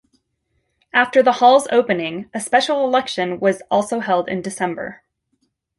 After the Hall's opening, a special election was also held in December.